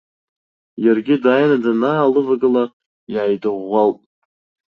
Иаргьы дааины данаалывагыла, иааидыӷәӷәалт.